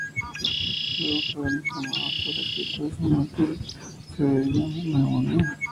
Luego fueron informados por escrito que su muerte se debió a neumonía.